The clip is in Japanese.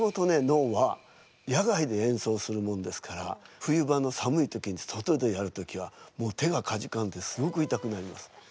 能は野外で演奏するもんですから冬場の寒い時に外でやる時はもう手がかじかんですごく痛くなります。